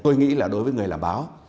tôi nghĩ là đối với người làm báo